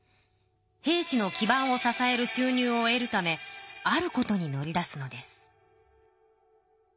平氏の基ばんを支えるしゅう入を得るためあることに乗り出すのです。